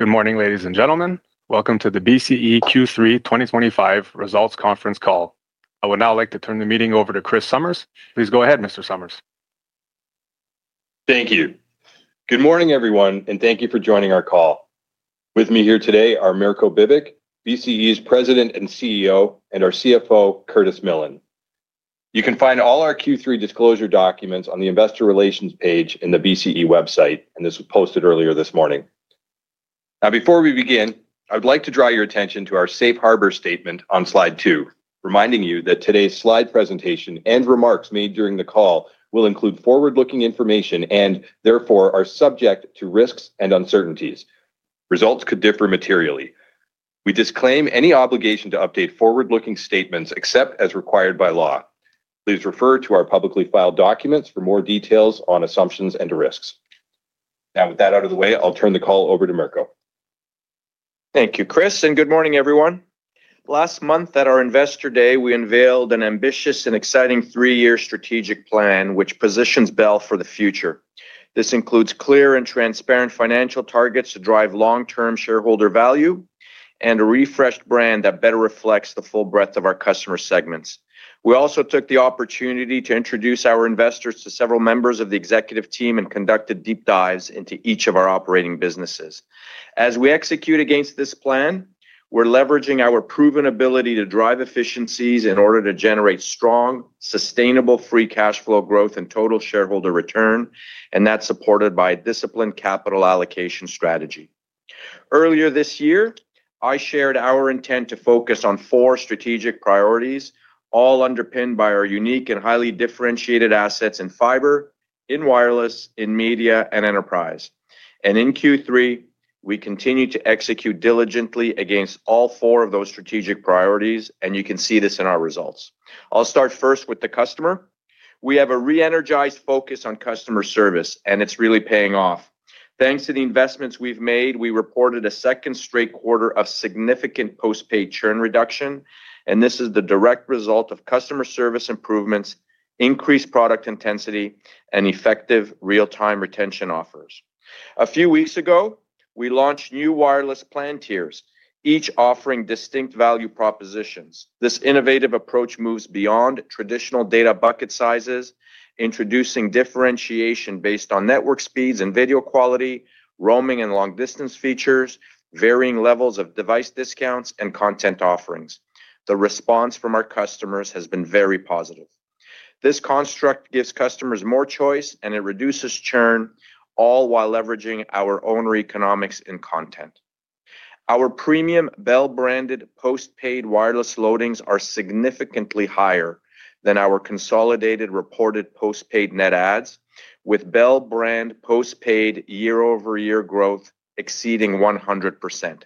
Good morning, ladies and gentlemen. Welcome to the BCE Q3 2025 results conference call. I would now like to turn the meeting over to Chris Summers. Please go ahead, Mr. Summers. Thank you. Good morning, everyone, and thank you for joining our call. With me here today are Mirko Bibic, BCE's President and CEO, and our CFO, Curtis Millen. You can find all our Q3 disclosure documents on the Investor Relations page in the BCE website, and this was posted earlier this morning. Now, before we begin, I would like to draw your attention to our Safe Harbor statement on slide 2, reminding you that today's slide presentation and remarks made during the call will include forward-looking information and, therefore, are subject to risks and uncertainties. Results could differ materially. We disclaim any obligation to update forward-looking statements except as required by law. Please refer to our publicly filed documents for more details on assumptions and risks. Now, with that out of the way, I'll turn the call over to Mirko. Thank you, Chris, and good morning, everyone. Last month, at our Investor Day, we unveiled an ambitious and exciting three-year strategic plan which positions Bell for the future. This includes clear and transparent financial targets to drive long-term shareholder value and a refreshed brand that better reflects the full breadth of our customer segments. We also took the opportunity to introduce our investors to several members of the executive team and conducted deep dives into each of our operating businesses. As we execute against this plan, we're leveraging our proven ability to drive efficiencies in order to generate strong, sustainable free cash flow growth and total shareholder return, and that's supported by a disciplined capital allocation strategy. Earlier this year, I shared our intent to focus on four strategic priorities, all underpinned by our unique and highly differentiated assets in fiber, in wireless, in media, and enterprise. In Q3, we continue to execute diligently against all four of those strategic priorities, and you can see this in our results. I'll start first with the customer. We have a re-energized focus on customer service, and it's really paying off. Thanks to the investments we've made, we reported a second straight quarter of significant post-paid churn reduction, and this is the direct result of customer service improvements, increased product intensity, and effective real-time retention offers. A few weeks ago, we launched new wireless plan tiers, each offering distinct value propositions. This innovative approach moves beyond traditional data bucket sizes, introducing differentiation based on network speeds and video quality, roaming and long-distance features, varying levels of device discounts, and content offerings. The response from our customers has been very positive. This construct gives customers more choice, and it reduces churn, all while leveraging our owner economics in content. Our premium Bell-branded post-paid wireless loadings are significantly higher than our consolidated reported post-paid net adds, with Bell-brand post-paid year-over-year growth exceeding 100%.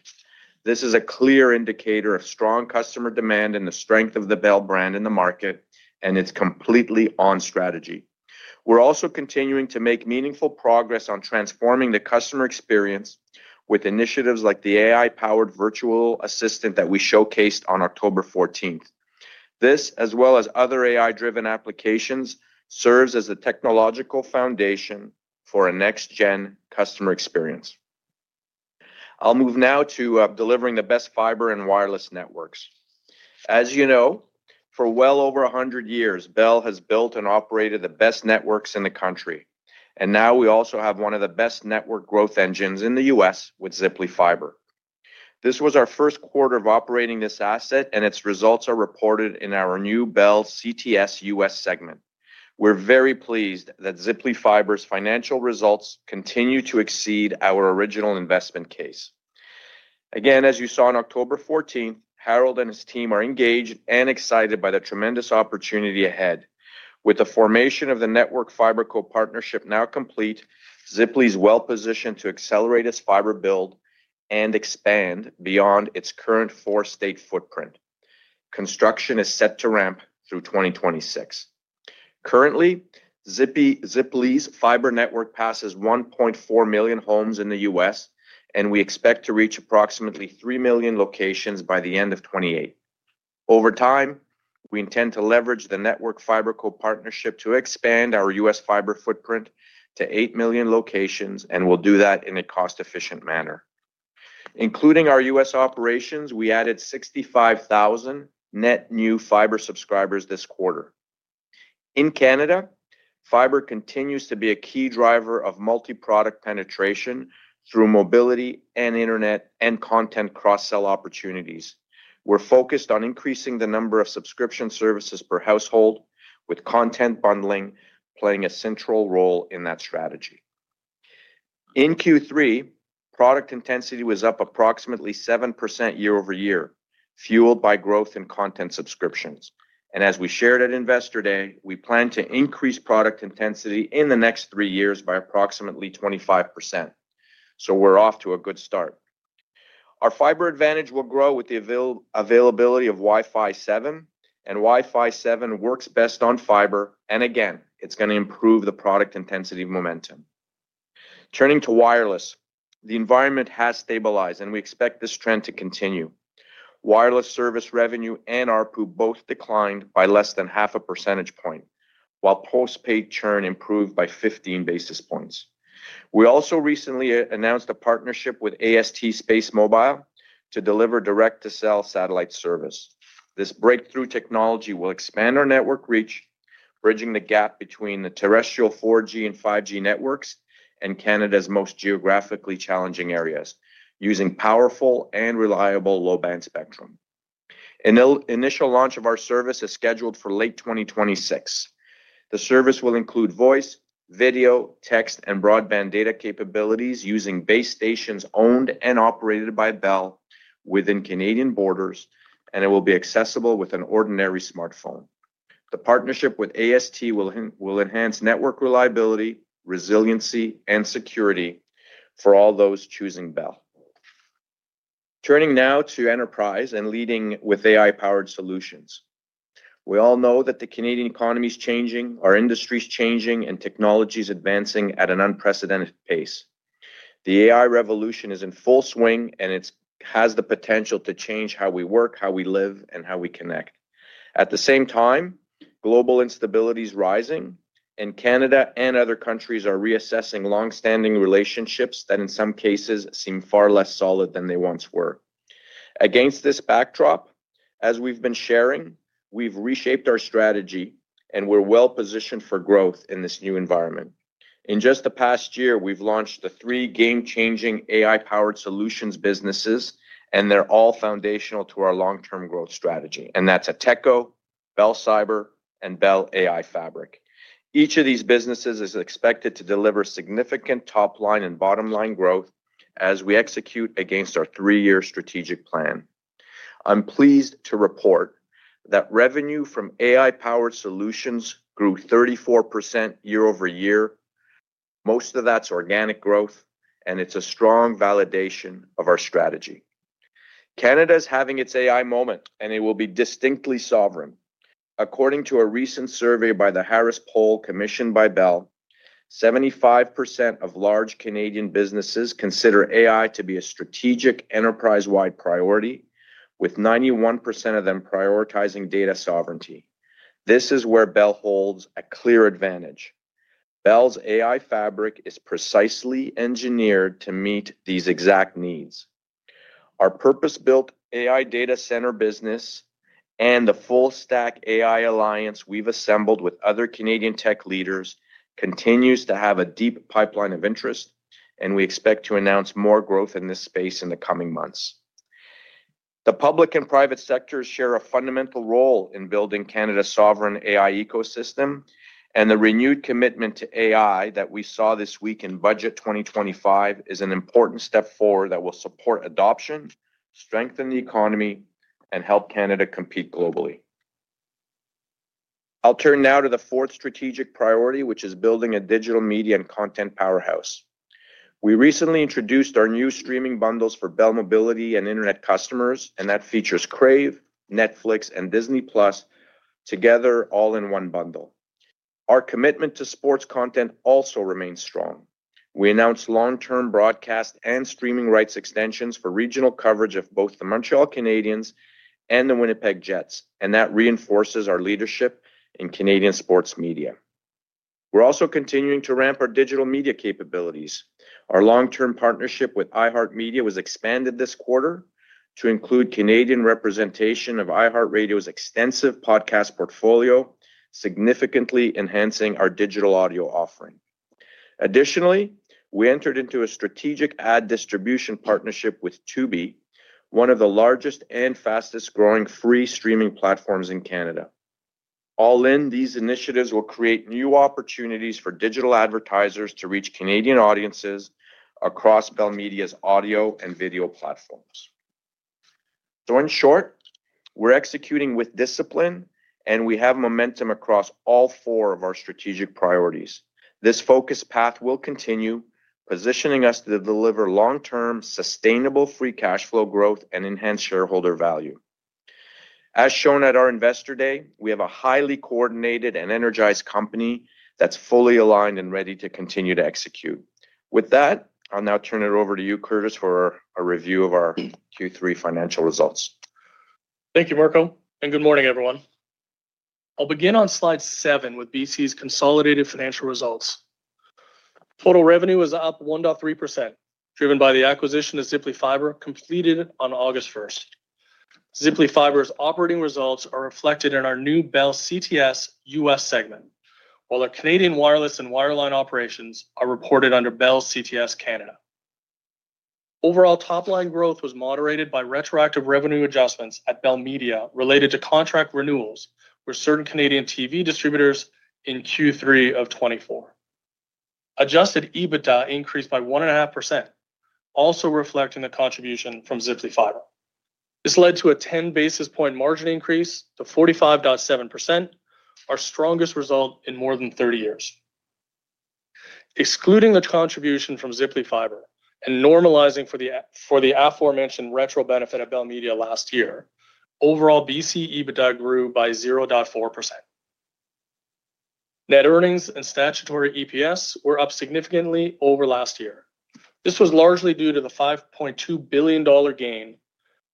This is a clear indicator of strong customer demand and the strength of the Bell brand in the market, and it's completely on strategy. We're also continuing to make meaningful progress on transforming the customer experience with initiatives like the AI-powered virtual assistant that we showcased on October 14th. This, as well as other AI-driven applications, serves as a technological foundation for a next-gen customer experience. I'll move now to delivering the best fiber and wireless networks. As you know, for well over 100 years, Bell has built and operated the best networks in the country, and now we also have one of the best network growth engines in the US with Ziply Fiber. This was our first quarter of operating this asset, and its results are reported in our new Bell CTS U.S. segment. We're very pleased that Ziply Fiber's financial results continue to exceed our original investment case. Again, as you saw on October 14, Harold and his team are engaged and excited by the tremendous opportunity ahead. With the formation of the Network Fiber Co. partnership now complete, Ziply is well-positioned to accelerate its fiber build and expand beyond its current four-state footprint. Construction is set to ramp through 2026. Currently, Ziply's fiber network passes 1.4 million homes in the US, and we expect to reach approximately 3 million locations by the end of 2028. Over time, we intend to leverage the Network Fiber Co. partnership to expand our U.S. fiber footprint to 8 million locations, and we'll do that in a cost-efficient manner. Including our U.S. operations, we added 65,000 net new fiber subscribers this quarter. In Canada, fiber continues to be a key driver of multi-product penetration through mobility and internet and content cross-sell opportunities. We're focused on increasing the number of subscription services per household, with content bundling playing a central role in that strategy. In Q3, product intensity was up approximately 7% year-over-year, fueled by growth in content subscriptions. As we shared at Investor Day, we plan to increase product intensity in the next three years by approximately 25%. We are off to a good start. Our fiber advantage will grow with the availability of Wi-Fi 7, and Wi-Fi 7 works best on fiber, and again, it is going to improve the product intensity momentum. Turning to wireless, the environment has stabilized, and we expect this trend to continue. Wireless service revenue and ARPU both declined by less than half a percentage point, while post-paid churn improved by 15 basis points. We also recently announced a partnership with AST SpaceMobile to deliver direct-to-cell satellite service. This breakthrough technology will expand our network reach, bridging the gap between the terrestrial 4G and 5G networks and Canada's most geographically challenging areas, using powerful and reliable low-band spectrum. Initial launch of our service is scheduled for late 2026. The service will include voice, video, text, and broadband data capabilities using base stations owned and operated by Bell within Canadian borders, and it will be accessible with an ordinary smartphone. The partnership with AST will enhance network reliability, resiliency, and security for all those choosing Bell. Turning now to enterprise and leading with AI-powered solutions. We all know that the Canadian economy is changing, our industry is changing, and technology is advancing at an unprecedented pace. The AI revolution is in full swing, and it has the potential to change how we work, how we live, and how we connect. At the same time, global instability is rising, and Canada and other countries are reassessing long-standing relationships that, in some cases, seem far less solid than they once were. Against this backdrop, as we've been sharing, we've reshaped our strategy, and we're well-positioned for growth in this new environment. In just the past year, we've launched the three game-changing AI-powered solutions businesses, and they're all foundational to our long-term growth strategy, and that's Atos, Bell Cyber, and Bell AI Fabric. Each of these businesses is expected to deliver significant top-line and bottom-line growth as we execute against our three-year strategic plan. I'm pleased to report that revenue from AI-powered solutions grew 34% year-over-year. Most of that's organic growth, and it's a strong validation of our strategy. Canada is having its AI moment, and it will be distinctly sovereign. According to a recent survey by the Harris Poll commissioned by Bell, 75% of large Canadian businesses consider AI to be a strategic enterprise-wide priority, with 91% of them prioritizing data sovereignty. This is where Bell holds a clear advantage. Bell's AI Fabric is precisely engineered to meet these exact needs. Our purpose-built AI data center business. The full-stack AI alliance we've assembled with other Canadian tech leaders continues to have a deep pipeline of interest, and we expect to announce more growth in this space in the coming months. The public and private sectors share a fundamental role in building Canada's sovereign AI ecosystem, and the renewed commitment to AI that we saw this week in Budget 2025 is an important step forward that will support adoption, strengthen the economy, and help Canada compete globally. I'll turn now to the fourth strategic priority, which is building a digital media and content powerhouse. We recently introduced our new streaming bundles for Bell Mobility and internet customers, and that features Crave, Netflix, and Disney+ together all in one bundle. Our commitment to sports content also remains strong. We announced long-term broadcast and streaming rights extensions for regional coverage of both the Montreal Canadiens and the Winnipeg Jets, and that reinforces our leadership in Canadian sports media. We're also continuing to ramp our digital media capabilities. Our long-term partnership with iHeartMedia was expanded this quarter to include Canadian representation of iHeartRadio's extensive podcast portfolio, significantly enhancing our digital audio offering. Additionally, we entered into a strategic ad distribution partnership with Tubi, one of the largest and fastest-growing free streaming platforms in Canada. All in, these initiatives will create new opportunities for digital advertisers to reach Canadian audiences across Bell Media's audio and video platforms. In short, we're executing with discipline, and we have momentum across all four of our strategic priorities. This focus path will continue, positioning us to deliver long-term, sustainable free cash flow growth and enhanced shareholder value. As shown at our Investor Day, we have a highly coordinated and energized company that's fully aligned and ready to continue to execute. With that, I'll now turn it over to you, Curtis, for a review of our Q3 financial results. Thank you, Mirko, and good morning, everyone. I'll begin on slide seven with BCE's consolidated financial results. Total revenue was up 1.3%, driven by the acquisition of Ziply Fiber completed on August 1st. Ziply Fiber's operating results are reflected in our new Bell CTS U.S. segment, while our Canadian wireless and wireline operations are reported under Bell CTS Canada. Overall top-line growth was moderated by retroactive revenue adjustments at Bell Media related to contract renewals with certain Canadian TV distributors in Q3 of 2024. Adjusted EBITDA increased by 1.5%, also reflecting the contribution from Ziply Fiber. This led to a 10 basis point margin increase to 45.7%, our strongest result in more than 30 years. Excluding the contribution from Ziply Fiber and normalizing for the aforementioned retro benefit at Bell Media last year, overall BCE EBITDA grew by 0.4%. Net earnings and statutory EPS were up significantly over last year. This was largely due to the $5.2 billion gain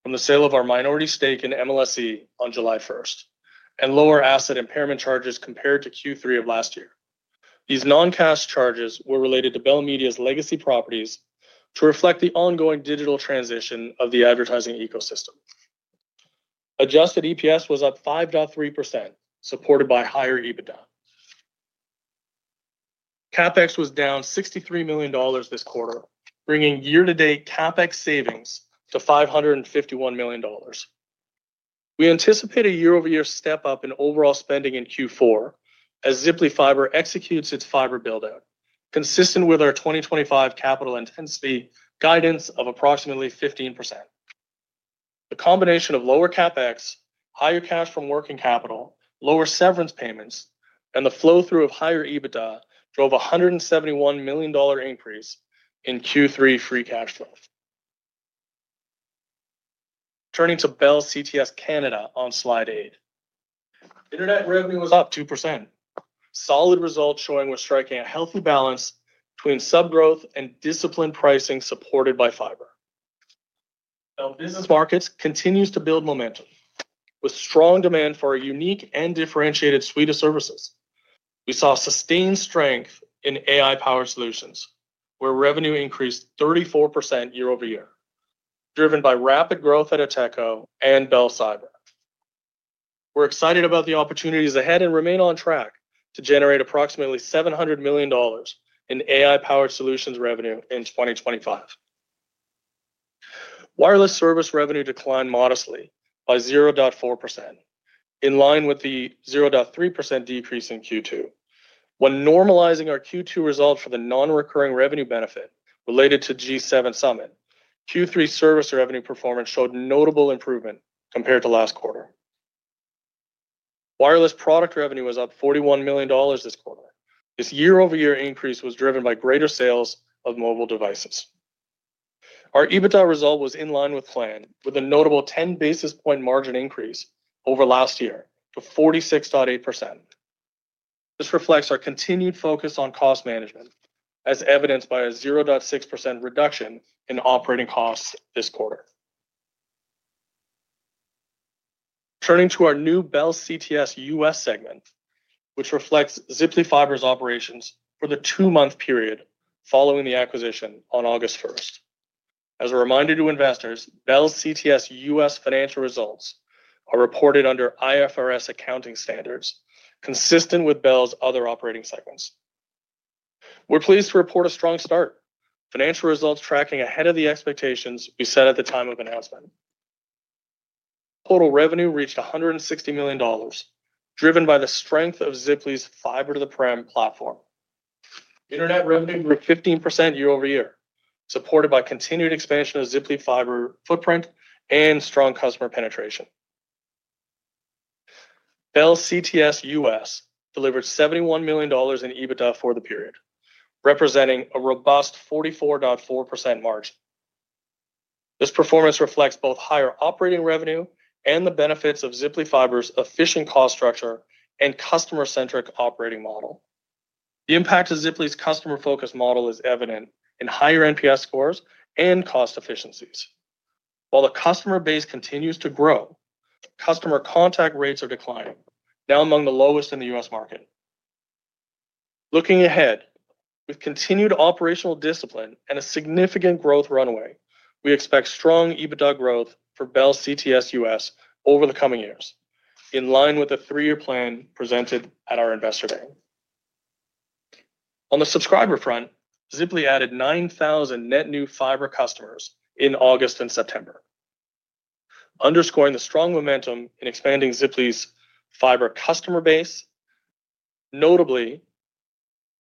from the sale of our minority stake in MLSE on July 1 and lower asset impairment charges compared to Q3 of last year. These non-cash charges were related to Bell Media's legacy properties to reflect the ongoing digital transition of the advertising ecosystem. Adjusted EPS was up 5.3%, supported by higher EBITDA. CapEx was down $63 million this quarter, bringing year-to-date CapEx savings to $551 million. We anticipate a year-over-year step-up in overall spending in Q4 as Ziply Fiber executes its fiber buildout, consistent with our 2025 capital intensity guidance of approximately 15%. The combination of lower CapEx, higher cash from working capital, lower severance payments, and the flow-through of higher EBITDA drove a $171 million increase in Q3 free cash flow. Turning to Bell CTS Canada on slide eight. Internet revenue was up 2%. Solid results showing we're striking a healthy balance between sub-growth and disciplined pricing supported by fiber. Bell Business Markets continues to build momentum with strong demand for a unique and differentiated suite of services. We saw sustained strength in AI-powered solutions, where revenue increased 34% year-over-year, driven by rapid growth at Ateko and Bell Cyber. We're excited about the opportunities ahead and remain on track to generate approximately $700 million in AI-powered solutions revenue in 2025. Wireless service revenue declined modestly by 0.4%, in line with the 0.3% decrease in Q2. When normalizing our Q2 result for the non-recurring revenue benefit related to G7 Summit, Q3 service revenue performance showed notable improvement compared to last quarter. Wireless product revenue was up $41 million this quarter. This year-over-year increase was driven by greater sales of mobile devices. Our EBITDA result was in line with plan, with a notable 10 basis point margin increase over last year to 46.8%. This reflects our continued focus on cost management, as evidenced by a 0.6% reduction in operating costs this quarter. Turning to our new Bell CTS U.S. segment, which reflects Ziply Fiber's operations for the two-month period following the acquisition on August 1st. As a reminder to investors, Bell's CTS U.S. financial results are reported under IFRS accounting standards, consistent with Bell's other operating segments. We're pleased to report a strong start, financial results tracking ahead of the expectations we set at the time of announcement. Total revenue reached $160 million, driven by the strength of Ziply's fiber-to-the-prem platform. Internet revenue grew 15% year-over-year, supported by continued expansion of Ziply Fiber footprint and strong customer penetration. Bell CTS U.S. delivered $71 million in EBITDA for the period, representing a robust 44.4% margin. This performance reflects both higher operating revenue and the benefits of Ziply Fiber's efficient cost structure and customer-centric operating model. The impact of Ziply's customer-focused model is evident in higher NPS scores and cost efficiencies. While the customer base continues to grow, customer contact rates are declining, now among the lowest in the U.S. market. Looking ahead, with continued operational discipline and a significant growth runway, we expect strong EBITDA growth for Bell CTS U.S. over the coming years, in line with the three-year plan presented at our Investor Day. On the subscriber front, Ziply added 9,000 net new fiber customers in August and September, underscoring the strong momentum in expanding Ziply's fiber customer base, notably.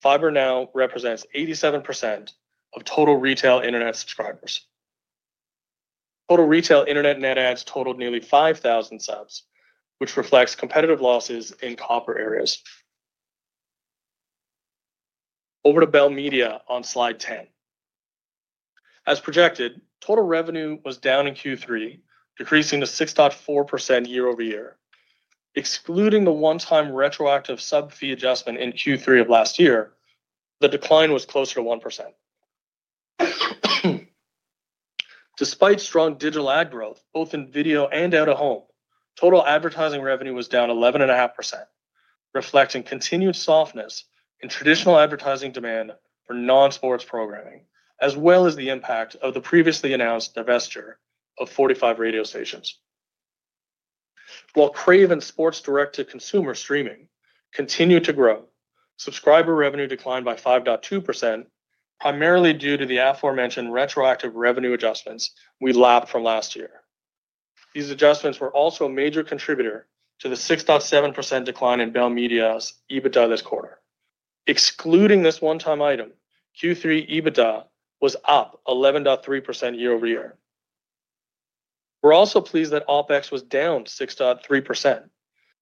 Fiber now represents 87% of total retail internet subscribers. Total retail internet net adds totaled nearly 5,000 subs, which reflects competitive losses in copper areas. Over to Bell Media on slide 10. As projected, total revenue was down in Q3, decreasing 6.4% year-over-year. Excluding the one-time retroactive sub-fee adjustment in Q3 of last year, the decline was closer to 1%. Despite strong digital ad growth, both in video and out-of-home, total advertising revenue was down 11.5%, reflecting continued softness in traditional advertising demand for non-sports programming, as well as the impact of the previously announced divestiture of 45 radio stations. While Crave and Sports Direct to consumer streaming continued to grow, subscriber revenue declined by 5.2%, primarily due to the aforementioned retroactive revenue adjustments we lapped from last year. These adjustments were also a major contributor to the 6.7% decline in Bell Media's EBITDA this quarter. Excluding this one-time item, Q3 EBITDA was up 11.3% year-over-year. We're also pleased that OpEx was down 6.3%,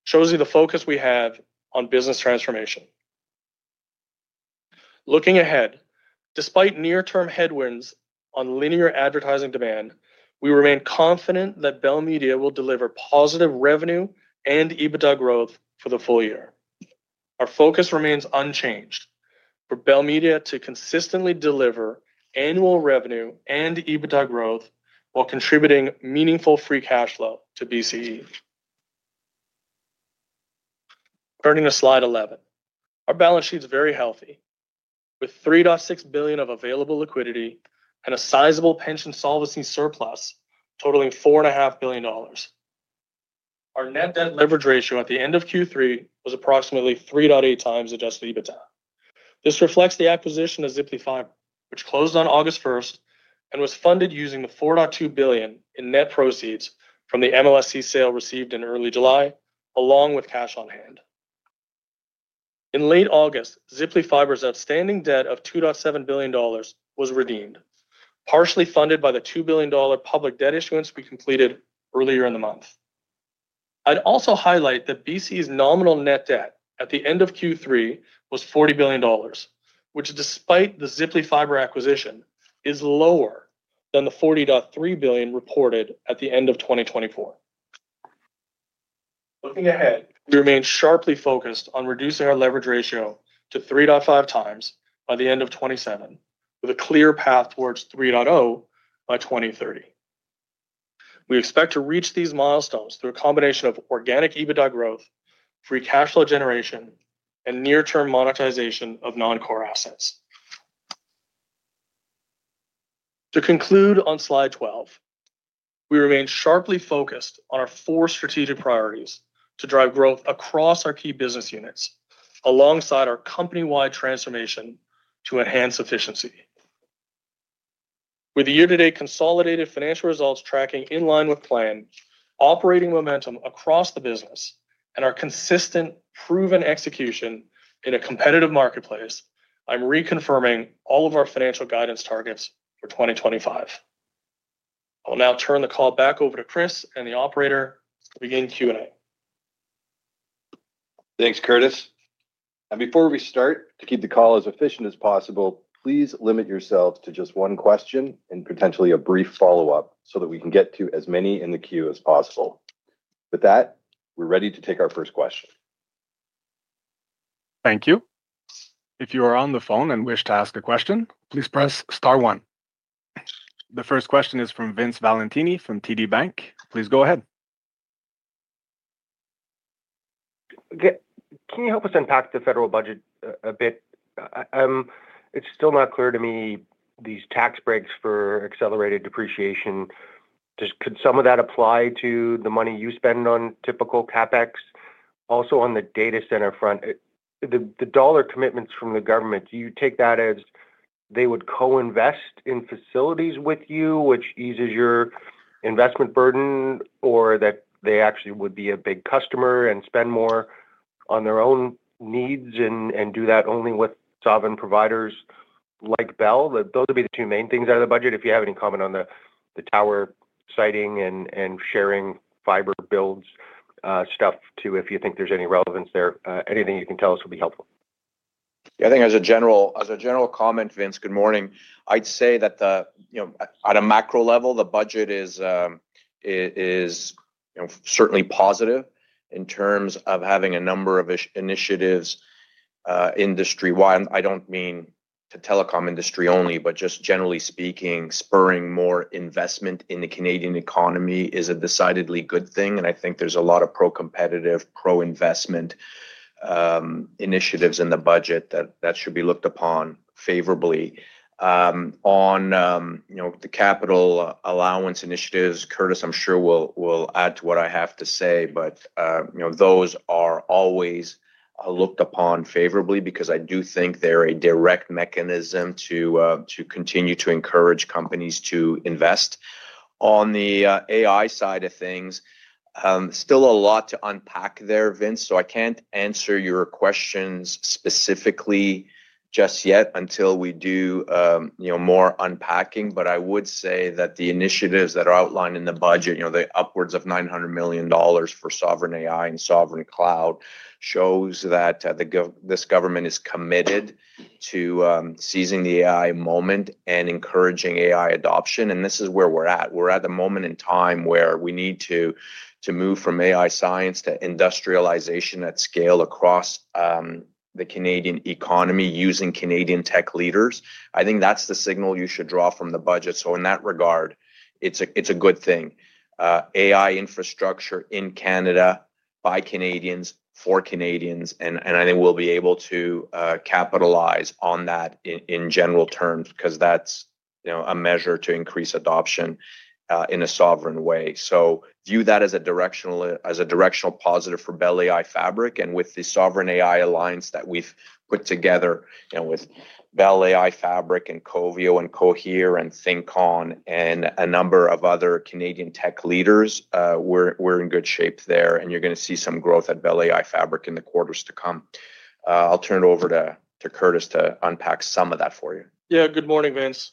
showing the focus we have on business transformation. Looking ahead, despite near-term headwinds on linear advertising demand, we remain confident that Bell Media will deliver positive revenue and EBITDA growth for the full year. Our focus remains unchanged for Bell Media to consistently deliver annual revenue and EBITDA growth while contributing meaningful free cash flow to BCE. Turning to slide 11, our balance sheet is very healthy, with $3.6 billion of available liquidity and a sizable pension solvency surplus totaling $4.5 billion. Our net debt leverage ratio at the end of Q3 was approximately 3.8x adjusted EBITDA. This reflects the acquisition of Ziply Fiber, which closed on August 1st and was funded using the $4.2 billion in net proceeds from the MLSE sale received in early July, along with cash on hand. In late August, Ziply Fiber's outstanding debt of $2.7 billion was redeemed, partially funded by the $2 billion public debt issuance we completed earlier in the month. I'd also highlight that BCE's nominal net debt at the end of Q3 was $40 billion, which, despite the Ziply Fiber acquisition, is lower than the $40.3 billion reported at the end of 2024. Looking ahead, we remain sharply focused on reducing our leverage ratio to 3.5x by the end of 2027, with a clear path towards 3.0x by 2030. We expect to reach these milestones through a combination of organic EBITDA growth, free cash flow generation, and near-term monetization of non-core assets. To conclude on slide 12, we remain sharply focused on our four strategic priorities to drive growth across our key business units, alongside our company-wide transformation to enhance efficiency. With the year-to-date consolidated financial results tracking in line with plan, operating momentum across the business, and our consistent, proven execution in a competitive marketplace, I'm reconfirming all of our financial guidance targets for 2025. I'll now turn the call back over to Chris and the operator to begin Q&A. Thanks, Curtis. Before we start, to keep the call as efficient as possible, please limit yourselves to just one question and potentially a brief follow-up so that we can get to as many in the queue as possible. With that, we're ready to take our first question. Thank you. If you are on the phone and wish to ask a question, please press star one. The first question is from Vince Valentini from TD Bank. Please go ahead. Can you help us unpack the federal budget a bit? It's still not clear to me, these tax breaks for accelerated depreciation, just could some of that apply to the money you spend on typical CapEx? Also, on the data center front. The dollar commitments from the government, do you take that as they would co-invest in facilities with you, which eases your investment burden, or that they actually would be a big customer and spend more on their own needs and do that only with sovereign providers like Bell? Those would be the two main things out of the budget. If you have any comment on the tower siting and sharing fiber builds stuff too, if you think there's any relevance there, anything you can tell us would be helpful. Yeah, I think as a general comment, Vince, good morning. I'd say that on a macro level, the budget is certainly positive in terms of having a number of initiatives industry-wide. I don't mean the telecom industry only, but just generally speaking, spurring more investment in the Canadian economy is a decidedly good thing. I think there's a lot of pro-competitive, pro-investment initiatives in the budget that should be looked upon favorably. On the capital allowance initiatives, Curtis, I'm sure will add to what I have to say, but those are always looked upon favorably because I do think they're a direct mechanism to continue to encourage companies to invest. On the AI side of things, still a lot to unpack there, Vince, so I can't answer your questions specifically just yet until we do more unpacking, but I would say that the initiatives that are outlined in the budget, the upwards of $900 million for sovereign AI and sovereign cloud, shows that. This government is committed to seizing the AI moment and encouraging AI adoption. This is where we're at. We're at the moment in time where we need to move from AI science to industrialization at scale across the Canadian economy using Canadian tech leaders. I think that's the signal you should draw from the budget. In that regard, it's a good thing. AI infrastructure in Canada by Canadians, for Canadians, and I think we'll be able to capitalize on that in general terms because that's a measure to increase adoption in a sovereign way. View that as a directional positive for Bell AI Fabric and with the sovereign AI alliance that we've put together with Bell AI Fabric and Cohere and ThinkCon and a number of other Canadian tech leaders. We're in good shape there, and you're going to see some growth at Bell AI Fabric in the quarters to come. I'll turn it over to Curtis to unpack some of that for you. Yeah, good morning, Vince.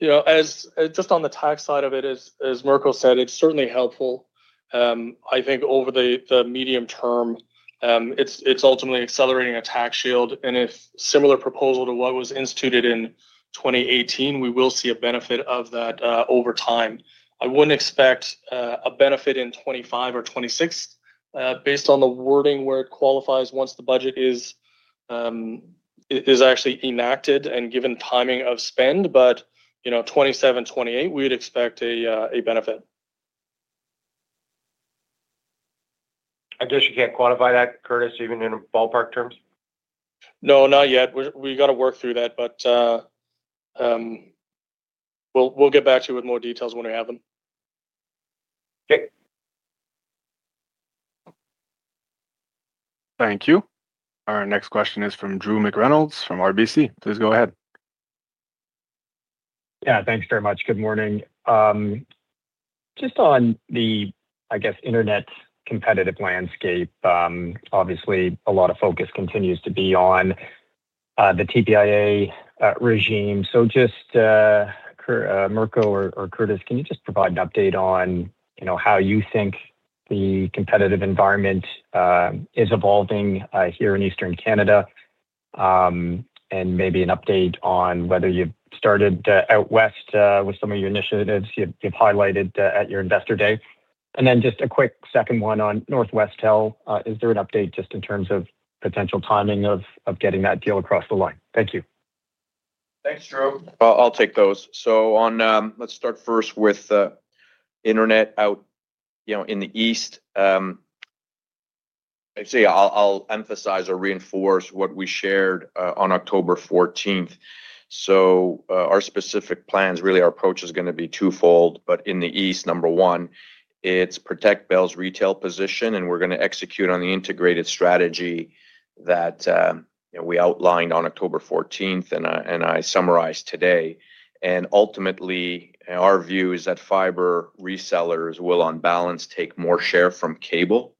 Just on the tax side of it, as Mirko said, it's certainly helpful. I think over the medium-term, it's ultimately accelerating a tax shield. If similar proposal to what was instituted in 2018, we will see a benefit of that over time. I wouldn't expect a benefit in 2025 or 2026. Based on the wording where it qualifies once the budget is actually enacted and given timing of spend, but 2027, 2028, we would expect a benefit. I guess you can't quantify that, Curtis, even in ballpark terms? No, not yet. We got to work through that, but we will get back to you with more details when we have them. Okay. Thank you. Our next question is from Drew McReynolds from RBC. Please go ahead. Yeah, thanks very much. Good morning. Just on the, I guess, internet competitive landscape, obviously, a lot of focus continues to be on the TPIA regime. So just, Mirko or Curtis, can you just provide an update on how you think the competitive environment is evolving here in Eastern Canada? Maybe an update on whether you've started out west with some of your initiatives you've highlighted at your investor day. Just a quick second one on Northwestel. Is there an update just in terms of potential timing of getting that deal across the line? Thank you. Thanks, Drew. I'll take those. Let's start first with internet out in the east. Actually, I'll emphasize or reinforce what we shared on October 14th. Our specific plans, really, our approach is going to be twofold. In the east, number one, it's protect Bell's retail position, and we're going to execute on the integrated strategy that we outlined on October 14th, and I summarized today. Ultimately, our view is that fiber resellers will, on balance, take more share from cable.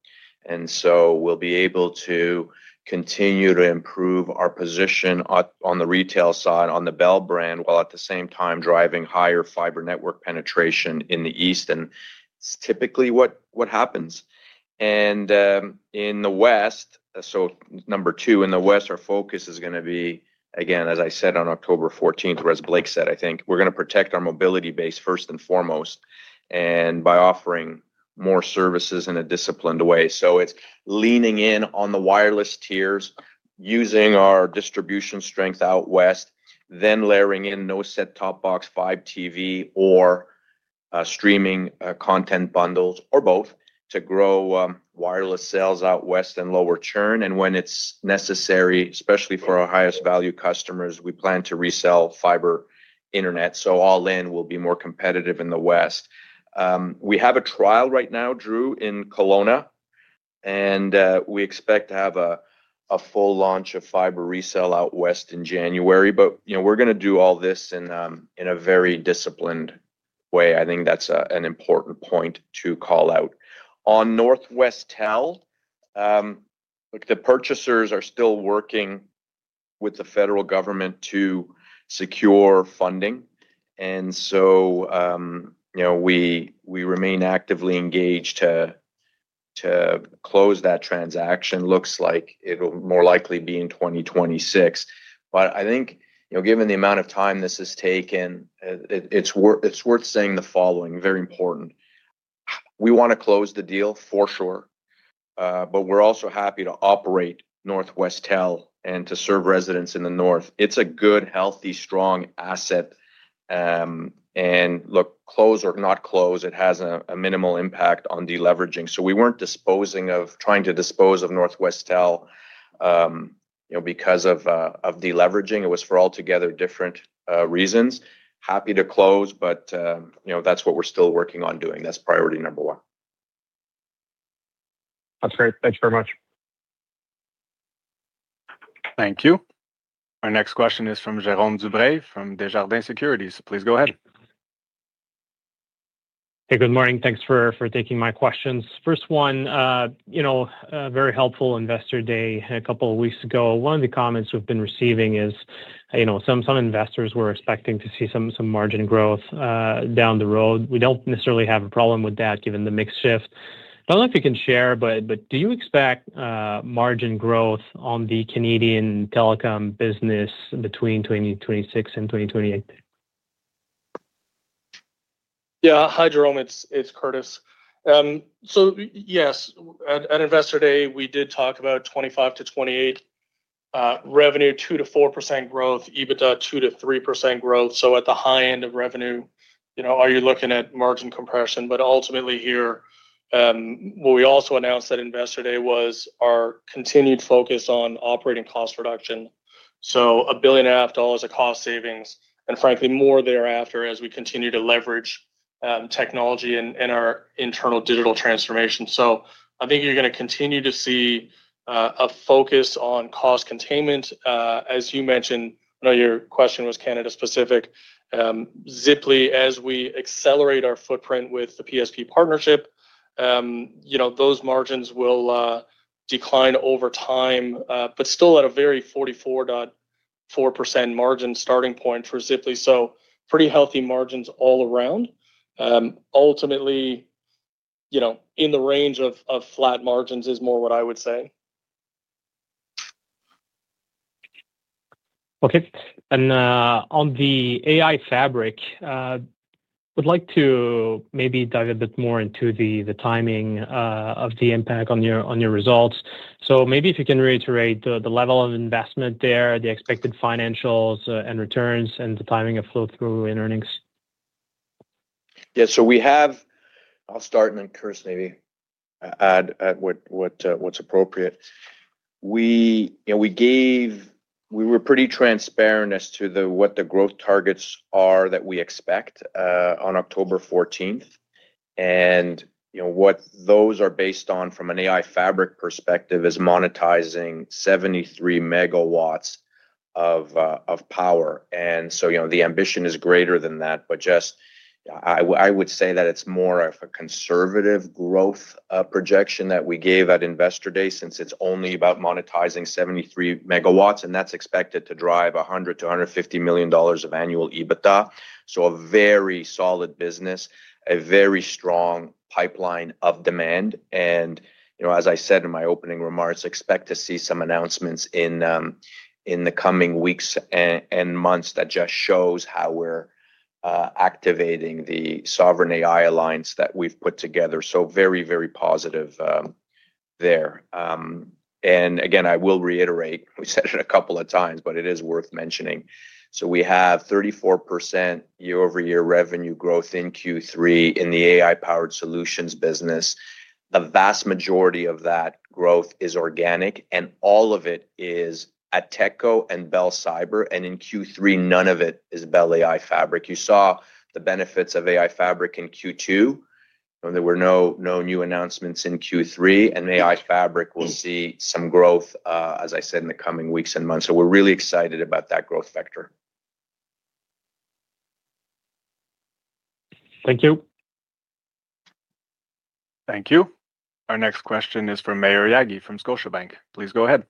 We will be able to continue to improve our position on the retail side on the Bell brand while at the same time driving higher fiber network penetration in the east. It's typically what happens. In the west, number two, in the west, our focus is going to be, again, as I said on October 14, or as Blake said, I think we're going to protect our mobility base first and foremost by offering more services in a disciplined way. It is leaning in on the wireless tiers, using our distribution strength out west, then layering in no set top box 5TV or streaming content bundles or both to grow wireless sales out west and lower churn. When it's necessary, especially for our highest value customers, we plan to resell fiber internet. All in, we will be more competitive in the west. We have a trial right now, Drew, in Kelowna. We expect to have a full launch of fiber resale out west in January. We are going to do all this in a very disciplined way. I think that's an important point to call out. On Northwestel, the purchasers are still working with the federal government to secure funding. We remain actively engaged to close that transaction. Looks like it'll more likely be in 2026. I think given the amount of time this has taken, it's worth saying the following, very important. We want to close the deal for sure. We're also happy to operate Northwestel and to serve residents in the north. It's a good, healthy, strong asset. Look, close or not close, it has a minimal impact on deleveraging. We weren't disposing of or trying to dispose of Northwestel because of deleveraging. It was for altogether different reasons. Happy to close, but that's what we're still working on doing. That's priority number one. That's great. Thanks very much. Thank you. Our next question is from Jérôme Dubreuil from Desjardins Securities. Please go ahead. Hey, good morning. Thanks for taking my questions. First one, very helpful investor day a couple of weeks ago. One of the comments we've been receiving is, some investors were expecting to see some margin growth down the road. We don't necessarily have a problem with that given the mixed shift. I don't know if you can share, but do you expect margin growth on the Canadian telecom business between 2026 and 2028? Yeah, hi Jérôme, it's Curtis. Yes, at investor day, we did talk about 2025 to 2028. Revenue, 2%-4% growth, EBITDA 2%-3% growth. At the high end of revenue, are you looking at margin compression? Ultimately here, what we also announced at investor day was our continued focus on operating cost reduction. $1.5 billion of cost savings, and frankly, more thereafter as we continue to leverage technology and our internal digital transformation. I think you're going to continue to see a focus on cost containment. As you mentioned, I know your question was Canada specific. Ziply, as we accelerate our footprint with the PSP partnership, those margins will decline over time, but still at a very 44.4% margin starting point for Ziply. Pretty healthy margins all around. Ultimately in the range of flat margins is more what I would say. Okay. On the AI fabric, I'd like to maybe dive a bit more into the timing of the impact on your results. Maybe if you can reiterate the level of investment there, the expected financials and returns, and the timing of flow-through and earnings. Yeah, so we have, I'll start and then Curtis maybe add what's appropriate. We were pretty transparent as to what the growth targets are that we expect on October 14th. And what those are based on from an AI Fabric perspective is monetizing 73 MW of power. The ambition is greater than that, but just, I would say that it's more of a conservative growth projection that we gave at investor day since it's only about monetizing 73 MW, and that's expected to drive $100 million-$150 million of annual EBITDA. A very solid business. A very strong pipeline of demand. As I said in my opening remarks, expect to see some announcements in the coming weeks and months that just shows how we're activating the sovereign AI alliance that we've put together. Very, very positive there. I will reiterate, we said it a couple of times, but it is worth mentioning. We have 34% year-over-year revenue growth in Q3 in the AI-powered solutions business. The vast majority of that growth is organic, and all of it is at Ateko and Bell Cyber. In Q3, none of it is Bell AI Fabric. You saw the benefits of AI Fabric in Q2. There were no new announcements in Q3. AI Fabric will see some growth, as I said, in the coming weeks and months. We are really excited about that growth factor. Thank you. Thank you. Our next question is from Maher Yagi from Scotiabank. Please go ahead.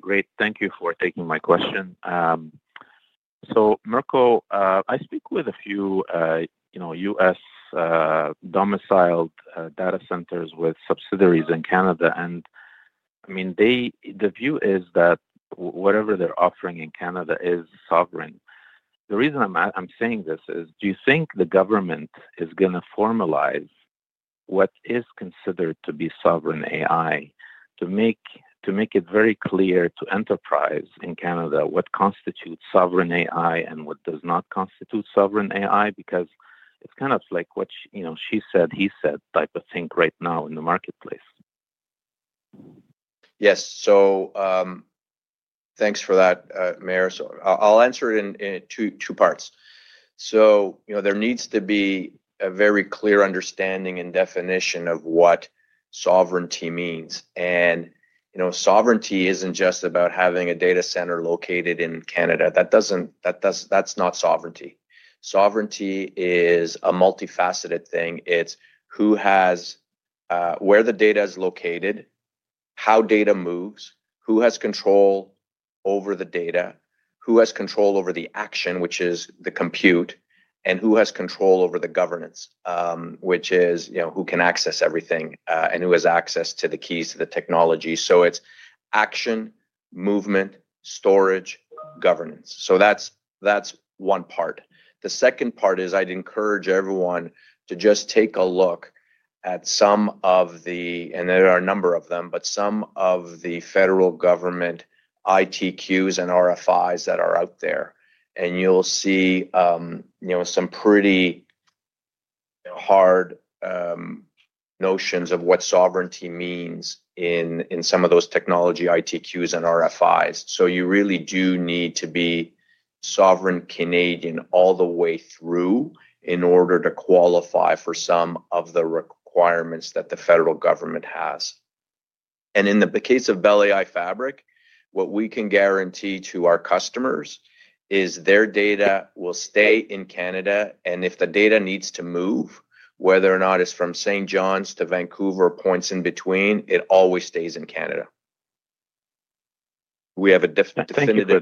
Great. Thank you for taking my question. Mirko, I speak with a few U.S. domiciled data centers with subsidiaries in Canada. I mean, the view is that whatever they're offering in Canada is sovereign. The reason I'm saying this is, do you think the government is going to formalize what is considered to be sovereign AI to make it very clear to enterprise in Canada what constitutes sovereign AI and what does not constitute sovereign AI? Because it's kind of like what she said, he said type of thing right now in the marketplace. Yes. Thanks for that, Maher. I'll answer it in two parts. There needs to be a very clear understanding and definition of what sovereignty means. Sovereignty isn't just about having a data center located in Canada. That's not sovereignty. Sovereignty is a multifaceted thing. It's where the data is located, how data moves, who has control over the data, who has control over the action, which is the compute, and who has control over the governance, which is who can access everything and who has access to the keys to the technology. It's action, movement, storage, governance. That's one part. The second part is I'd encourage everyone to just take a look at some of the, and there are a number of them, but some of the federal government ITQs and RFIs that are out there. You'll see some pretty hard notions of what sovereignty means in some of those technology ITQs and RFIs. You really do need to be sovereign Canadian all the way through in order to qualify for some of the requirements that the federal government has. In the case of Bell AI Fabric, what we can guarantee to our customers is their data will stay in Canada. If the data needs to move, whether or not it is from St. John's to Vancouver or points in between, it always stays in Canada. We have a definitive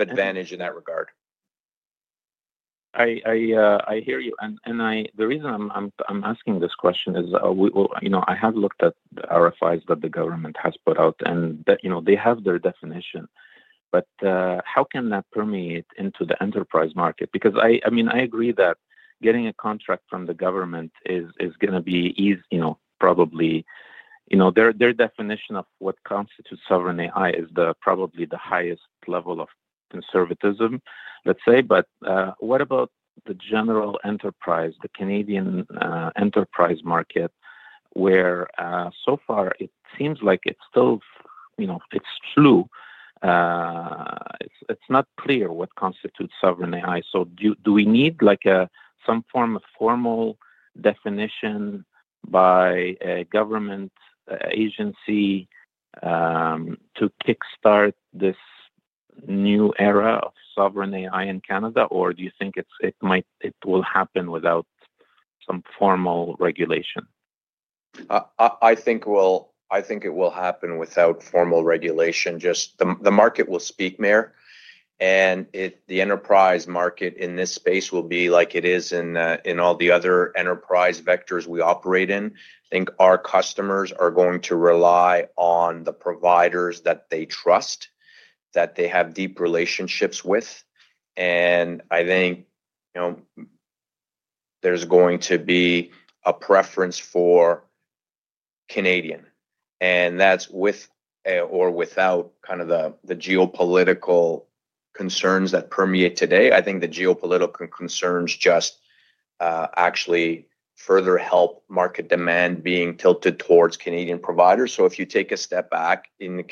advantage in that regard. I hear you. The reason I'm asking this question is I have looked at the RFIs that the government has put out, and they have their definition. How can that permeate into the enterprise market? I mean, I agree that getting a contract from the government is going to be easy, probably. Their definition of what constitutes sovereign AI is probably the highest level of conservatism, let's say. What about the general enterprise, the Canadian enterprise market, where so far it seems like it's still, it's true, it's not clear what constitutes sovereign AI. Do we need some form of formal definition by a government agency to kickstart this new era of sovereign AI in Canada? Or do you think it will happen without some formal regulation? I think it will happen without formal regulation. Just the market will speak, Maher. The enterprise market in this space will be like it is in all the other enterprise vectors we operate in. I think our customers are going to rely on the providers that they trust, that they have deep relationships with. I think there is going to be a preference for Canadian. That is with or without kind of the geopolitical concerns that permeate today. I think the geopolitical concerns just actually further help market demand being tilted towards Canadian providers. If you take a step back, in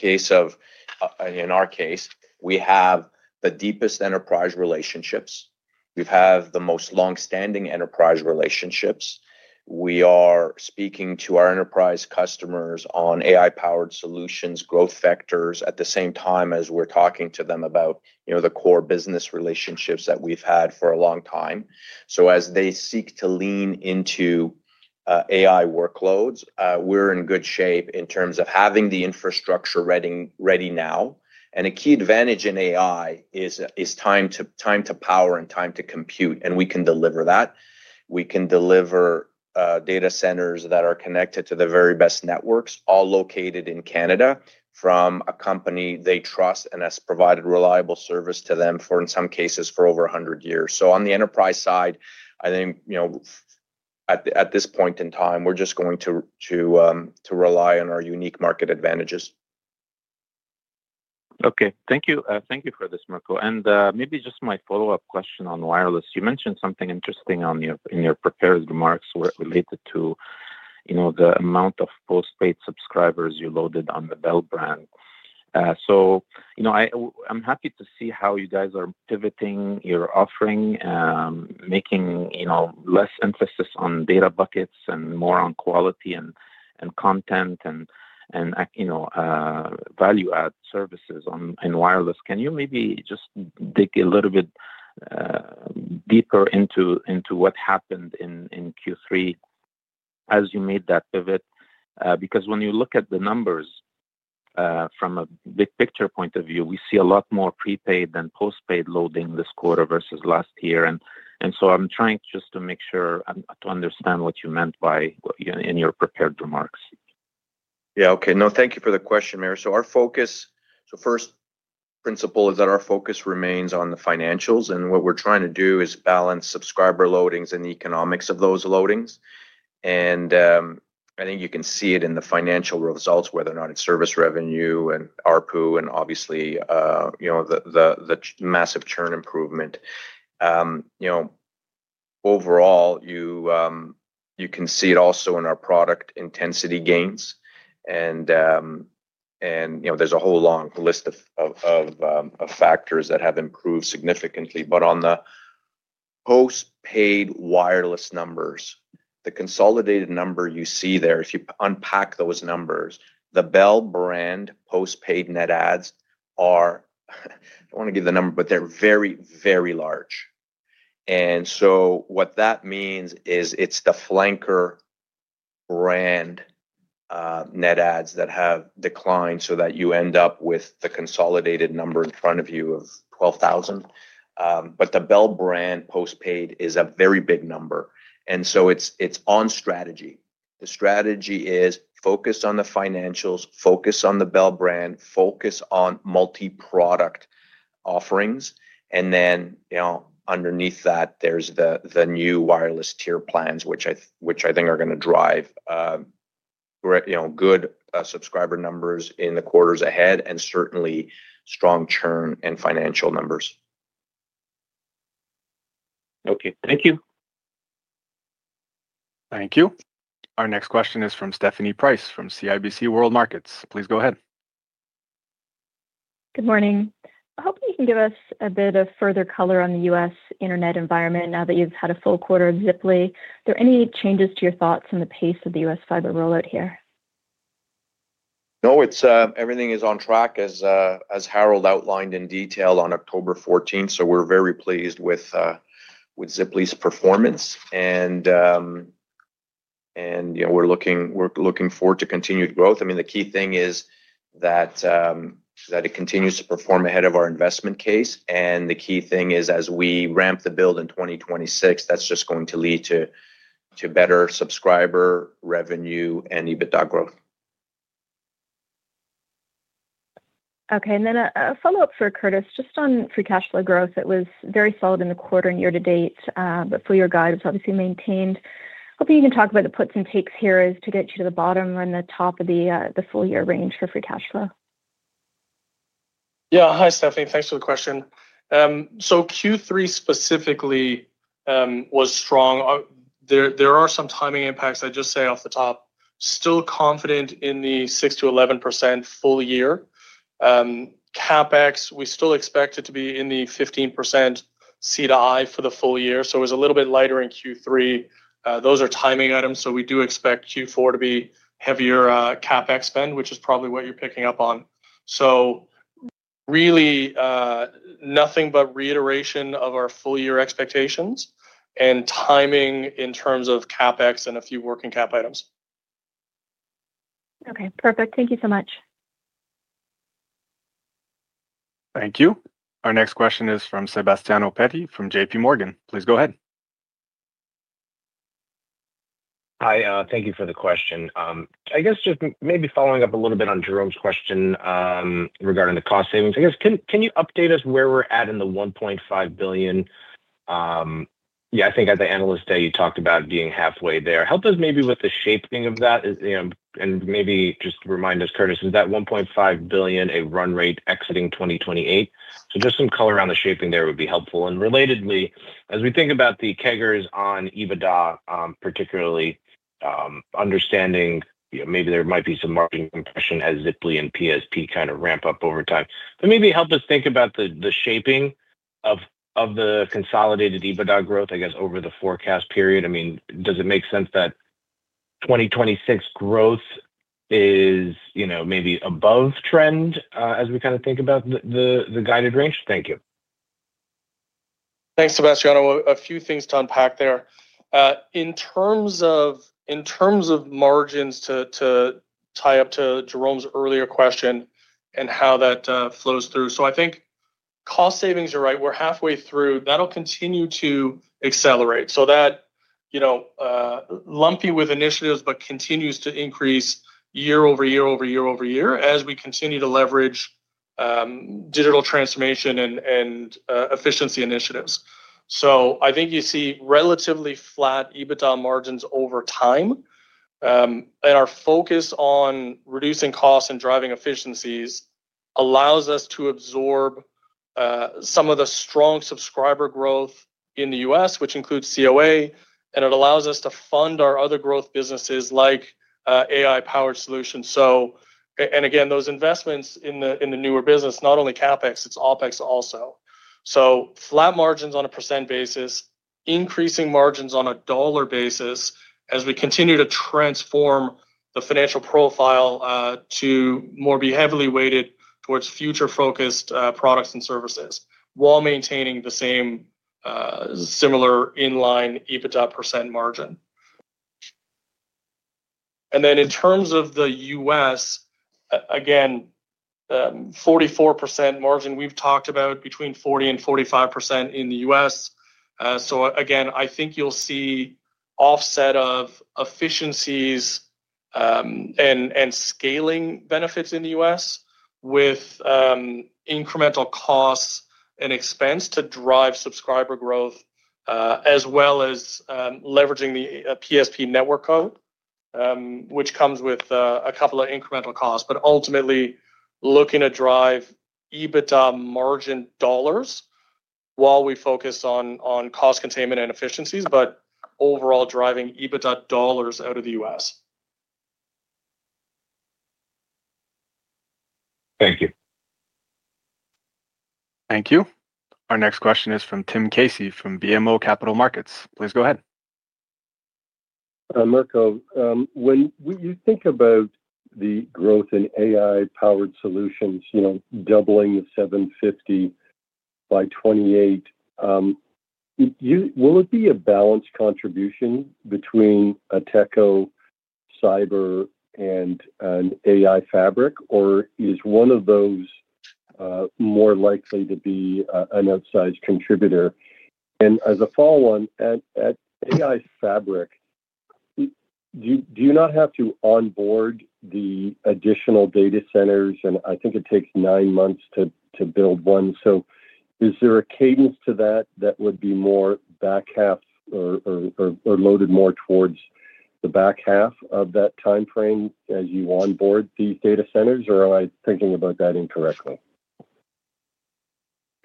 our case, we have the deepest enterprise relationships. We have the most long-standing enterprise relationships. We are speaking to our enterprise customers on AI-powered solutions, growth factors, at the same time as we're talking to them about the core business relationships that we've had for a long time. As they seek to lean into AI workloads, we're in good shape in terms of having the infrastructure ready now. A key advantage in AI is time to power and time to compute. We can deliver that. We can deliver data centers that are connected to the very best networks, all located in Canada, from a company they trust and has provided reliable service to them, in some cases, for over 100 years. On the enterprise side, I think at this point in time, we're just going to rely on our unique market advantages. Okay. Thank you for this, Mirko. Maybe just my follow-up question on wireless. You mentioned something interesting in your prepared remarks related to the amount of post-paid subscribers you loaded on the Bell brand. I'm happy to see how you guys are pivoting your offering, making less emphasis on data buckets and more on quality and content and value-add services in wireless. Can you maybe just dig a little bit deeper into what happened in Q3 as you made that pivot? Because when you look at the numbers from a big picture point of view, we see a lot more prepaid than post-paid loading this quarter versus last year. I'm trying just to make sure to understand what you meant by in your prepared remarks. Yeah. Okay. No, thank you for the question, Maher. Our focus, first principle is that our focus remains on the financials. What we're trying to do is balance subscriber loadings and the economics of those loadings. I think you can see it in the financial results, whether or not it's service revenue and ARPU, and obviously the massive churn improvement. Overall, you can see it also in our product intensity gains. There is a whole long list of factors that have improved significantly. On the post-paid wireless numbers, the consolidated number you see there, if you unpack those numbers, the Bell brand post-paid net adds are, I do not want to give the number, but they are very, very large. What that means is it is the Flanker brand net ads that have declined so that you end up with the consolidated number in front of you of 12,000. The Bell brand postpaid is a very big number. It is on strategy. The strategy is focus on the financials, focus on the Bell brand, focus on multi-product offerings. Underneath that, there are the new wireless tier plans, which I think are going to drive good subscriber numbers in the quarters ahead and certainly strong churn and financial numbers. Okay. Thank you. Thank you. Our next question is from Stephanie Price from CIBC World Markets. Please go ahead. Good morning. I hope you can give us a bit of further color on the U.S. internet environment now that you've had a full quarter of Ziply. Are there any changes to your thoughts on the pace of the U.S. fiber rollout here? No, everything is on track as Harold outlined in detail on October 14th. We are very pleased with Ziply's performance. We are looking forward to continued growth. The key thing is that it continues to perform ahead of our investment case. The key thing is, as we ramp the build in 2026, that is just going to lead to better subscriber revenue and EBITDA growth. Okay. A follow-up for Curtis, just on free cash flow growth. It was very solid in the quarter and year-to-date, but full year guide was obviously maintained. Hoping you can talk about the puts and takes here to get you to the bottom and the top of the full year range for free cash flow. Yeah. Hi, Stephanie. Thanks for the question. Q3 specifically was strong. There are some timing impacts, I just say off the top. Still confident in the 6%-11% full year. CapEx, we still expect it to be in the 15% C to I for the full year. It was a little bit lighter in Q3. Those are timing items. We do expect Q4 to be heavier CapEx spend, which is probably what you're picking up on. Really, nothing but reiteration of our full year expectations and timing in terms of CapEx and a few working cap items. Okay. Perfect. Thank you so much. Thank you. Our next question is from Sebastiano Petti from JPMorgan. Please go ahead. Hi. Thank you for the question. I guess just maybe following up a little bit on Jérôme's question regarding the cost savings. I guess, can you update us where we're at in the $1.5 billion? Yeah, I think at the analyst day, you talked about being halfway there. Help us maybe with the shaping of that. And maybe just remind us, Curtis, is that $1.5 billion a run rate exiting 2028? Just some color on the shaping there would be helpful. Relatedly, as we think about the CAGRs on EBITDA, particularly, understanding maybe there might be some margin compression as Ziply and PSP kind of ramp up over time. Maybe help us think about the shaping of the consolidated EBITDA growth, I guess, over the forecast period. I mean, does it make sense that 2026 growthis maybe above trend as we kind of think about the guided range? Thank you. Thanks, Sebastian. A few things to unpack there. In terms of margins to tie up to Jérôme's earlier question and how that flows through. I think cost savings are right. We're halfway through. That'll continue to accelerate. That is lumpy with initiatives, but continues to increase year-over-year, over year, over year as we continue to leverage digital transformation and efficiency initiatives. I think you see relatively flat EBITDA margins over time. Our focus on reducing costs and driving efficiencies allows us to absorb some of the strong subscriber growth in the U.S., which includes Cohere, and it allows us to fund our other growth businesses like AI-powered solutions. Again, those investments in the newer business, not only CapEx, it's OpEx also. Flat margins on a percentage basis, increasing margins on a dollar basis as we continue to transform the financial profile to more be heavily weighted towards future-focused products and services while maintaining the same, similar inline EBITDA percent margin. In terms of the U.S., again, 44% margin, we've talked about between 40%-45% in the U.S. I think you'll see offset of efficiencies and scaling benefits in the U.S. with incremental costs and expense to drive subscriber growth as well as leveraging the PSP Network Fiber Co., which comes with a couple of incremental costs, but ultimately looking to drive EBITDA margin dollars while we focus on cost containment and efficiencies, but overall driving EBITDA dollars out of the U.S. Thank you. Thank you. Our next question is from Tim Casey from BMO Capital Markets. Please go ahead. Mirko, when you think about the growth in AI-powered solutions, doubling the 750 by 2028. Will it be a balanced contribution between a Ateko, Cyber, and an AI fabric, or is one of those more likely to be an outsized contributor? As a follow-up, at AI fabric, do you not have to onboard the additional data centers? I think it takes nine months to build one. Is there a cadence to that that would be more back half or loaded more towards the back half of that timeframe as you onboard these data centers, or am I thinking about that incorrectly?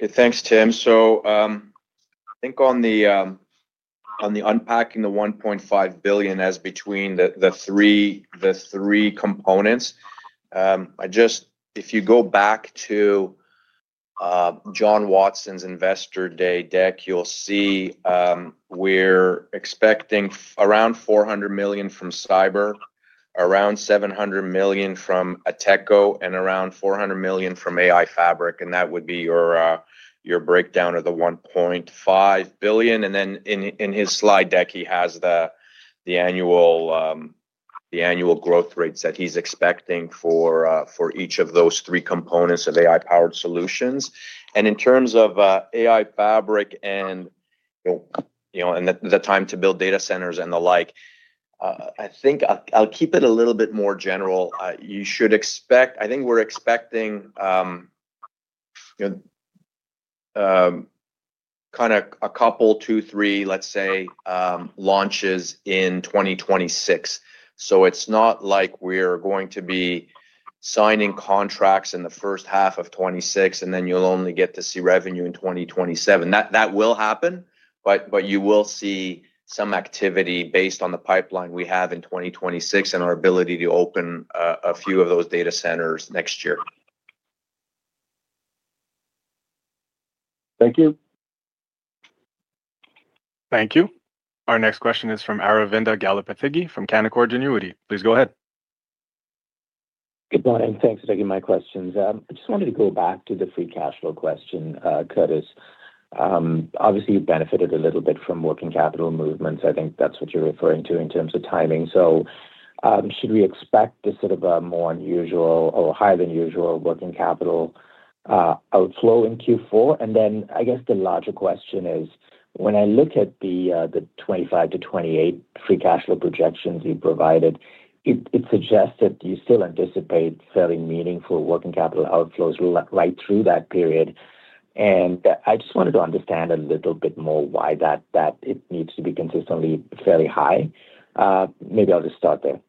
Okay. Thanks, Tim. I think on the unpacking the $1.5 billion as between the three components, if you go back to John Watson's investor day deck, you'll see we're expecting around $400 million from Cyber, around $700 million from a Ateco, and around $400 million from AI Fabric. That would be your breakdown of the $1.5 billion. In his slide deck, he has the annual growth rates that he's expecting for each of those three components of AI-powered solutions. In terms of AI Fabric and the time to build data centers and the like, I think I'll keep it a little bit more general. You should expect, I think we're expecting kind of a couple, two, three, let's say, launches in 2026. It's not like we're going to be signing contracts in the first half of 2026, and then you'll only get to see revenue in 2027. That will happen, but you will see some activity based on the pipeline we have in 2026 and our ability to open a few of those data centers next year. Thank you. Thank you. Our next question is from Aravinda Galipathigge from Canaccord Genuity. Please go ahead. Good morning. Thanks for taking my questions. I just wanted to go back to the free cash flow question, Curtis. Obviously, you benefited a little bit from working capital movements. I think that's what you're referring to in terms of timing. Should we expect this sort of a more unusual or higher than usual working capital outflow in Q4? I guess the larger question is, when I look at the 2025 to 2028 free cash flow projections you provided, it suggests that you still anticipate fairly meaningful working capital outflows right through that period. I just wanted to understand a little bit more why that needs to be consistently fairly high. Maybe I'll just start there.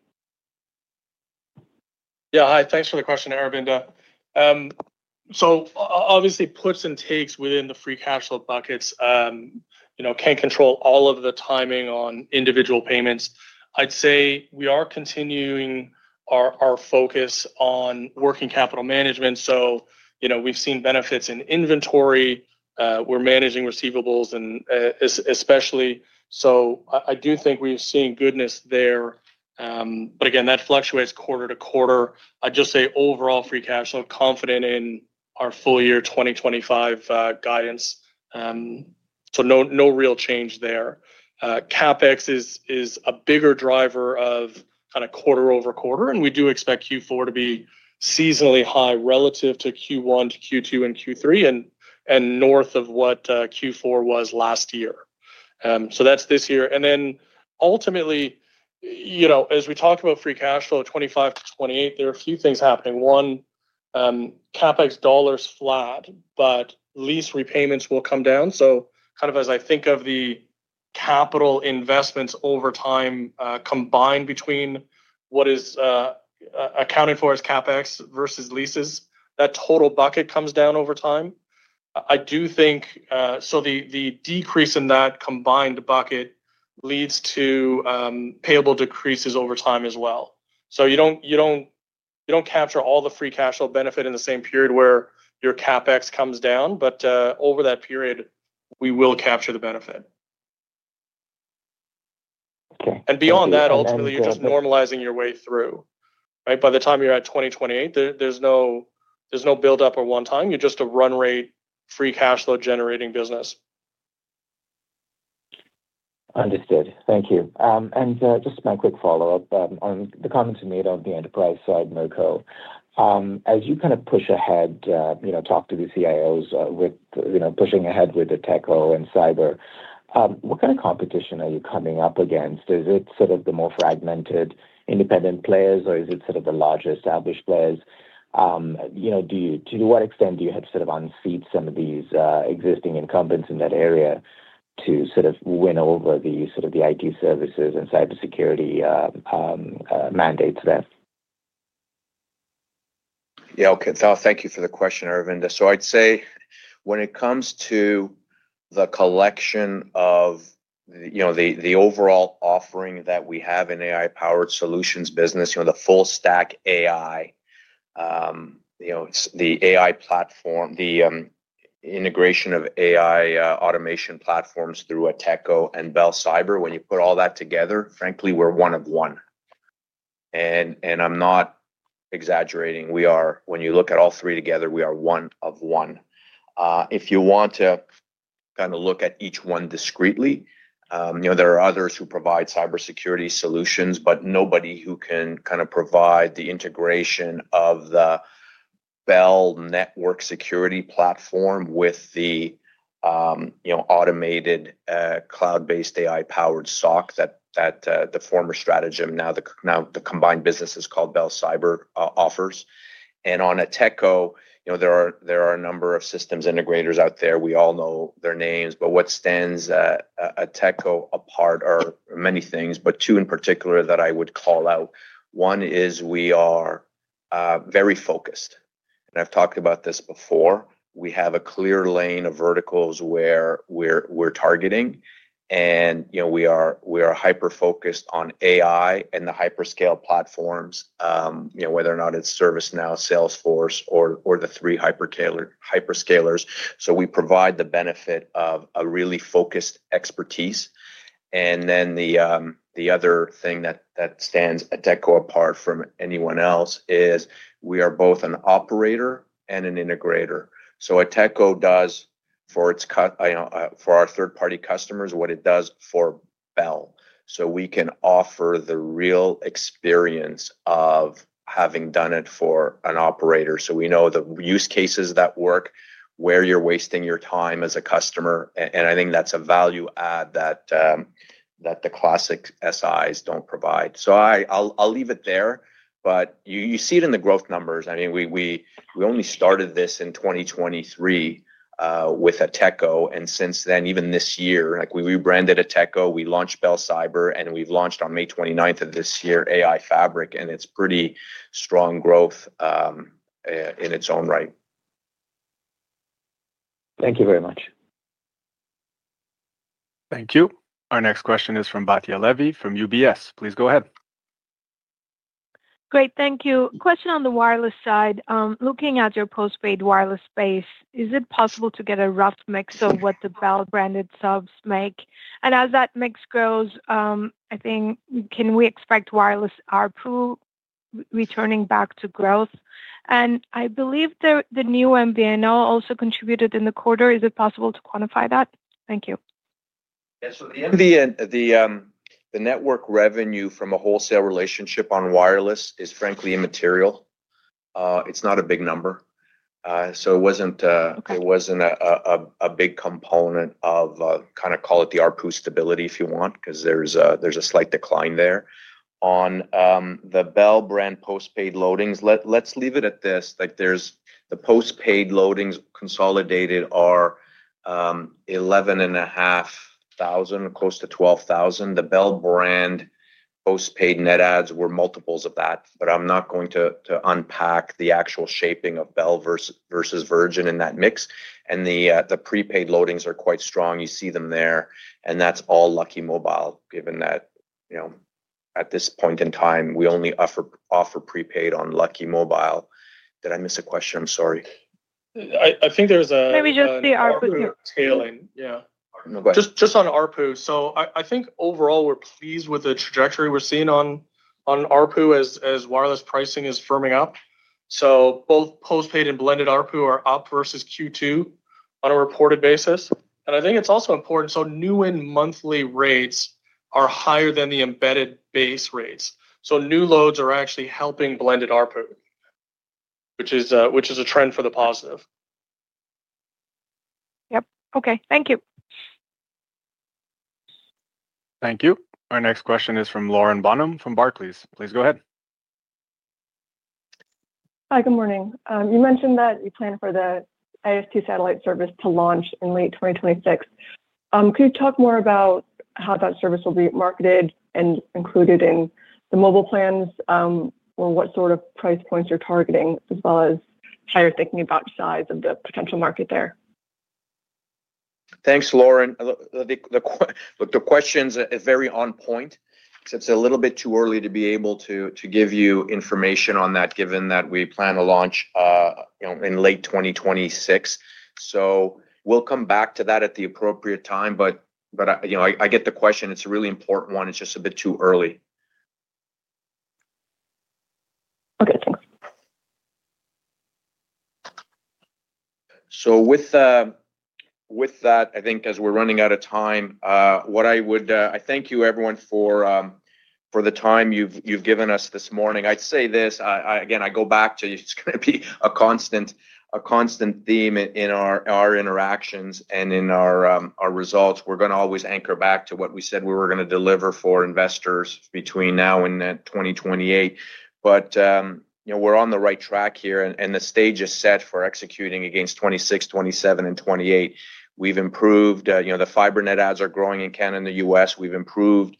Yeah. Hi. Thanks for the question, Aravinda. Obviously, puts and takes within the free cash flow buckets. Can't control all of the timing on individual payments. I'd say we are continuing our focus on working capital management. We've seen benefits in inventory. We're managing receivables and especially, I do think we're seeing goodness there. Again, that fluctuates quarter-to-quarter. I'd just say overall free cash flow, confident in our full year 2025 guidance. No real change there. CapEx is a bigger driver of kind of quarter-over-quarter, and we do expect Q4 to be seasonally high relative to Q1 to Q2 and Q3 and north of what Q4 was last year. That's this year. Ultimately, as we talk about free cash flow 2025 to 2028, there are a few things happening. One, CapEx dollars flat, but lease repayments will come down. Kind of as I think of the capital investments over time combined between what is accounted for as CapEx versus leases, that total bucket comes down over time. I do think the decrease in that combined bucket leads to payable decreases over time as well. You do not capture all the free cash flow benefit in the same period where your CapEx comes down, but over that period, we will capture the benefit. Beyond that, ultimately, you are just normalizing your way through, right? By the time you are at 2028, there is no build-up or one-time. You are just a run-rate free cash flow generating business. Understood. Thank you. Just my quick follow-up on the comments you made on the enterprise side, Mirko. As you kind of push ahead, talk to the CIOs with pushing ahead with the Ateko and Cyber, what kind of competition are you coming up against? Is it sort of the more fragmented independent players, or is it sort of the larger established players? To what extent do you have to sort of unseat some of these existing incumbents in that area to sort of win over the IT services and cybersecurity mandates there? Yeah. Okay. Thank you for the question, Aravinda. I'd say when it comes to the collection of the overall offering that we have in AI-powered solutions business, the full stack AI, the AI platform, the integration of AI automation platforms through Ateko and Bell Cyber, when you put all that together, frankly, we're one of one. I'm not exaggerating. When you look at all three together, we are one of one. If you want to kind of look at each one discreetly, there are others who provide cybersecurity solutions, but nobody who can kind of provide the integration of the Bell network security platform with the automated, cloud-based AI-powered SOC that the former Strategem, now the combined business is called Bell Cyber, offers. On Ateko, there are a number of systems integrators out there, we all know their names, but what stands Ateko apart are many things, but two in particular that I would call out. One is we are very focused and I've talked about this before. We have a clear lane of verticals where we're targeting. We are hyper-focused on AI and the hyperscale platforms, whether or not it's ServiceNow, Salesforce, or the three hyperscalers. We provide the benefit of a really focused expertise. The other thing that stands Ateko apart from anyone else is we are both an operator and an integrator. Ateko does for our third-party customers what it does for Bell. We can offer the real experience of having done it for an operator. We know the use cases that work, where you're wasting your time as a customer. I think that's a value add that the classic SIs do not provide. I will leave it there, but you see it in the growth numbers. I mean, we only started this in 2023 with Ateko. Since then, even this year, we rebranded Ateko, we launched Bell Cyber, and we have launched on May 29 of this year AI Fabric. It is pretty strong growth in its own right. Thank you very much. Thank you. Our next question is from Batya Levi from UBS. Please go ahead. Great. Thank you. Question on the wireless side. Looking at your post-paid wireless space, is it possible to get a rough mix of what the Bell-branded subs make? As that mix grows, I think, can we expect wireless ARPU returning back to growth? I believe the new MVNO also contributed in the quarter. Is it possible to quantify that? Thank you. Yeah. The network revenue from a wholesale relationship on wireless is frankly immaterial. It's not a big number. It wasn't a big component of, kind of, call it the ARPU stability, if you want, because there's a slight decline there. On the Bell-brand post-paid loadings, let's leave it at this. The post-paid loadings consolidated are 11,500, close to 12,000. The Bell-brand post-paid net adds were multiples of that, but I'm not going to unpack the actual shaping of Bell versus Virgin in that mix. The prepaid loadings are quite strong. You see them there. That's all Lucky Mobile, given that at this point in time, we only offer prepaid on Lucky Mobile. Did I miss a question? I'm sorry. Maybe just the ARPU. Yeah. Just on ARPU. I think overall, we're pleased with the trajectory we're seeing on ARPU as wireless pricing is firming up. Both post-paid and blended ARPU are up versus Q2 on a reported basis. I think it's also important. New in monthly rates are higher than the embedded base rates. New loads are actually helping blended ARPU, which is a trend for the positive. Yep. Okay. Thank you. Thank you. Our next question is from Lauren Bonham from Barclays. Please go ahead. Hi. Good morning. You mentioned that you plan for the AST satellite service to launch in late 2026. Could you talk more about how that service will be marketed and included in the mobile plans or what sort of price points you're targeting, as well as how you're thinking about size of the potential market there? Thanks, Lauren. Look, the question is very on point. It's a little bit too early to be able to give you information on that, given that we plan to launch in late 2026. We'll come back to that at the appropriate time, but I get the question. It's a really important one. It's just a bit too early. Okay. Thanks. With that, I think as we're running out of time, I want to thank you, everyone, for the time you've given us this morning. I'd say this. Again, I go back to it's going to be a constant theme in our interactions and in our results. We're going to always anchor back to what we said we were going to deliver for investors between now and 2028. We're on the right track here, and the stage is set for executing against 2026, 2027, and 2028. We've improved. The fiber net adds are growing in Canada and the U.S. We've improved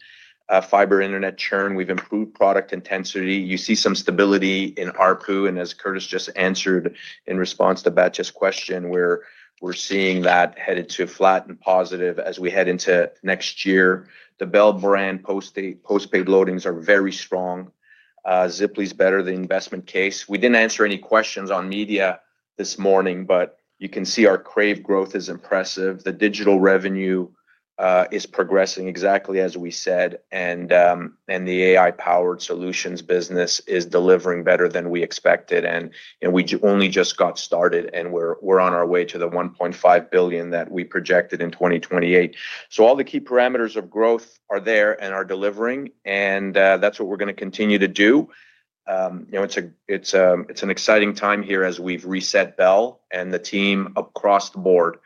fiber internet churn. We've improved product intensity. You see some stability in ARPU. As Curtis just answered in response to Batya's question, we're seeing that headed to flat and positive as we head into next year. The Bell-brand post-paid loadings are very strong. Ziply is better than investment case. We did not answer any questions on media this morning, but you can see our Crave growth is impressive. The digital revenue is progressing exactly as we said, and the AI-powered solutions business is delivering better than we expected. We only just got started, and we are on our way to the $1.5 billion that we projected in 2028. All the key parameters of growth are there and are delivering, and that is what we are going to continue to do. It is an exciting time here as we have reset Bell and the team across the board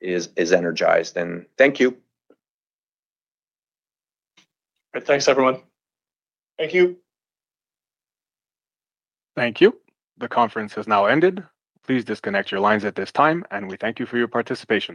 is energized. Thank you. Thanks, everyone. Thank you. Thank you. The conference has now ended. Please disconnect your lines at this time, and we thank you for your participation.